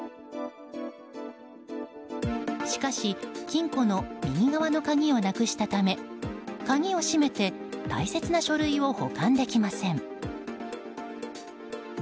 しかし金庫の右側の鍵をなくしたため鍵を閉めて大切な書類を保管できません。